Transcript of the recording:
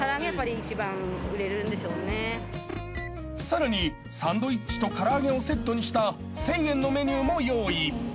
［さらにサンドイッチと唐揚げをセットにした１，０００円のメニューも用意］